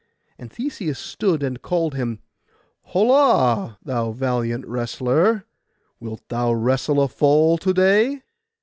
And Theseus stood and called him, 'Holla, thou valiant wrestler, wilt thou wrestle a fall to day?